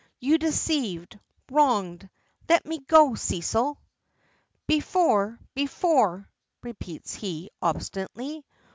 You deceived wronged Let me go, Cecil!" "Before before," repeats he, obstinately.